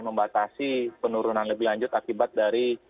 membatasi penurunan lebih lanjut akibat dari